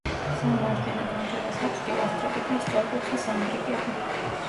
სამ მარჯვენა ფანჯარას აქვს პილასტრები და სწორკუთხა სანდრიკები.